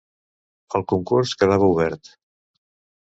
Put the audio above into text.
El concurs quedava obert.